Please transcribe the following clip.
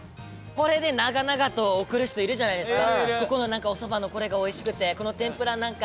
これで長々と送る人いるじゃないですか。